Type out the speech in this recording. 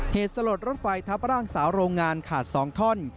เหตุสลดรถไฟทับร่างสาวโรงงานขาด๒ท่อน